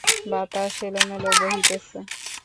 বাতাস এলোমেলো বহিতেছে।